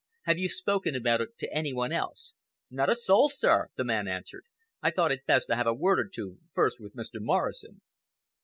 "Have you spoken about it to any one else?" "Not a soul, sir," the man answered. "I thought it best to have a word or two first with Mr. Morrison."